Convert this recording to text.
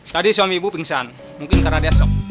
tadi suami ibu pingsan mungkin karena dia sok